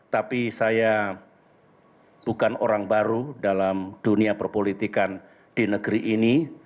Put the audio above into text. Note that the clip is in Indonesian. tapi saya bukan orang baru dalam dunia perpolitikan di negeri ini